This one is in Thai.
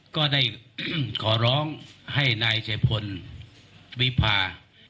ก็ได้ขอร้องให้นายชัยพลวิพา